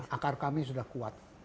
akar kami sudah kuat